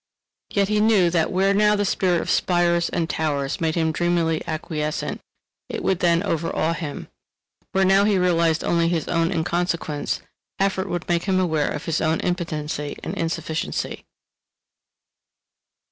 Yet he knew that where now the spirit of spires and towers made him dreamily acquiescent, it would then overawe him. Where now he realized only his own inconsequence, effort would make him aware of his own impotency and insufficiency.